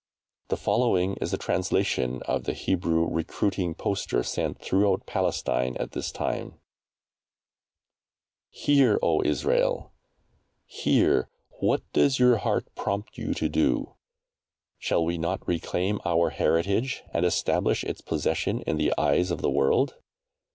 The following is a translation of the Hebrew recruiting poster sent throughout Palestine at this time: HEAR, O ISRAEL! Hear! What does your heart prompt you to do? Shall we not reclaim our heritage and establish its possession in the eyes of the world?